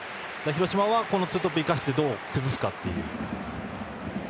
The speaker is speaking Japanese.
広島はこのツートップを生かしてどう崩すかという。